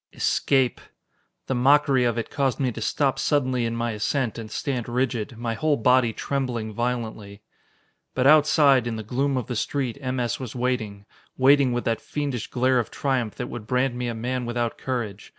Escape! The mockery of it caused me to stop suddenly in my ascent and stand rigid, my whole body trembling violently. But outside, in the gloom of the street, M. S. was waiting, waiting with that fiendish glare of triumph that would brand me a man without courage.